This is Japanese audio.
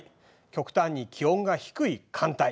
極端に気温が低い寒帯。